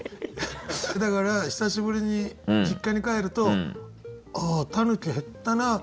だから久しぶりに実家に帰るとああタヌキ減ったな。